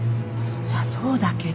そりゃそうだけど。